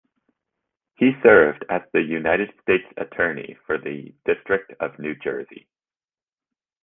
He served as the United States Attorney for the district of New Jersey.